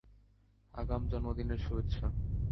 আগাম জন্মদিনের শুভেচ্ছা।